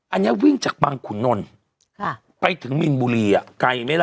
อันนี้วิ่งจากบางขุนนลไปถึงมีนบุรีอ่ะไกลไหมล่ะ